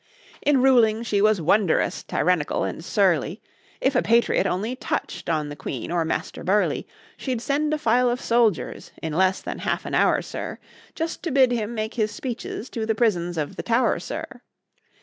In ruling she was wonderous tyrannical and surly; If a patriot only touch'd on the Queen or Master Burleigh, She'd send a file of soldiers in less than half an hour, sir, Just to bid him make his speeches to the prisons of the Tow'r, sir!